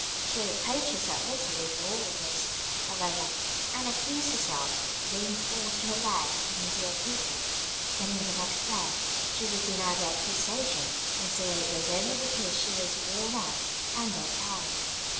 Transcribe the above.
She reproached herself bitterly for all this, however, and accused herself of being false to her work and her dear people; but in the next breath she would deny the accusation and say that it was only because she was worn out and "dead tired."